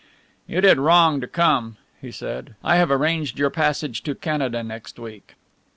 "You did wrong to come," he said, "I have arranged your passage to Canada next week."